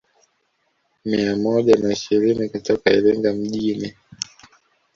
Mia moja na ishirini kutoka Iringa mjini